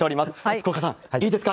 福岡さん、いいですか？